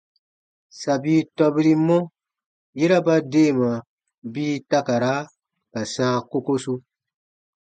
Sabi tɔbirimɔ, yera ba deema bii takara ka sãa kokosu.